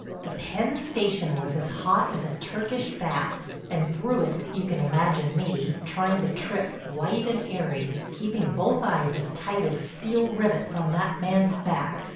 The "Penn" station was as hot as a Turkish bath and through it you can imagine me, trying to trip light and airy, and keeping both eyes as tight as steel rivets on that man's back.